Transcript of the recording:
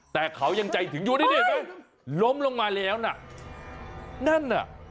แต่เขายังใจถึงอยู่นี่เห็นไหมล้มลงมาแล้วน่ะนั่นน่ะ